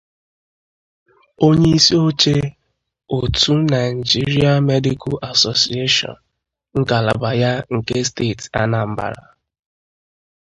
onyeisi oche òtù 'Nigerian Medical Association' ngalaba ya nke steeti Anambra